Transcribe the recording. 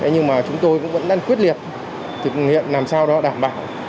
nhưng mà chúng tôi cũng vẫn đang quyết liệt thực hiện làm sao đó đảm bảo